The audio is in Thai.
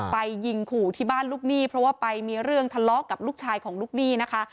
ไปยิงขู่ที่บ้านลูกหนี้เพราะว่าไปมีเรื่องทะเลาะกับลูกชายของลูกหนี้นะคะ